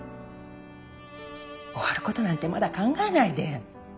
終わることなんてまだ考えないで。